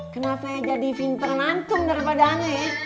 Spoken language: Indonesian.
kenapa jadi pintaran antun daripada aneh